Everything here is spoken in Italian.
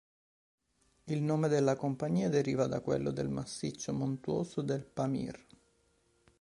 Il nome della compagnia deriva da quello del massiccio montuoso del Pamir.